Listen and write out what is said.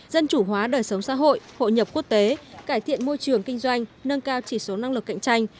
dân chủ hóa đời sống xã hội hội nhập quốc tế cải thiện môi trường kinh doanh nâng cao chỉ số năng lực cạnh tranh